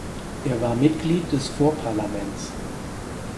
Er war Mitglied des Vorparlaments.